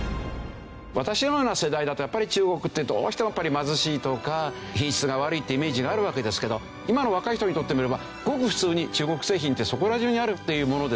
私のような世代だとやっぱり中国ってどうしてもやっぱり貧しいとか品質が悪いっていうイメージがあるわけですけど今の若い人にとってみればごく普通に中国製品ってそこら中にあるっていうものですよね。